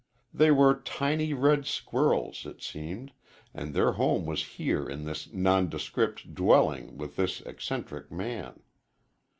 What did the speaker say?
They were tiny red squirrels, it seemed, and their home was here in this nondescript dwelling with this eccentric man.